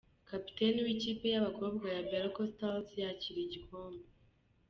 Kapiteni w’ikipe y’abakobwa ya Berco Stars yakira igikombe.